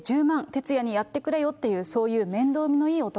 鉄矢にやってくれよっていう、そういう面倒見のいい男